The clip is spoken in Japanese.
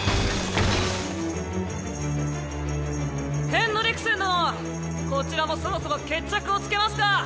ヘンドリクセン殿こちらもそろそろ決着をつけますか。